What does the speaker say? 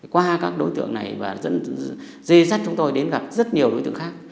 qua các đối tượng này và dây dắt chúng tôi đến gặp rất nhiều đối tượng khác